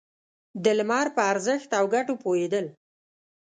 د لمر په ارزښت او گټو پوهېدل.